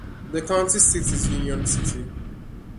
The county seat is Union City.